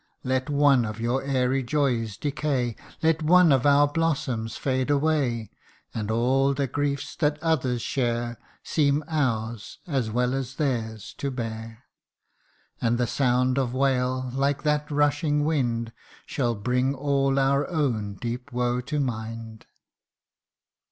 Let one of our airy joys decay Let one of our blossoms fade away And all the griefs that others share Seem ours, as well as theirs, to bear : And the sound of wail, like that rushing wind Shall bring all our own deep woe to mind